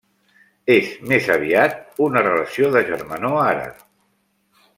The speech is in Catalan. És més aviat una relació de germanor ara.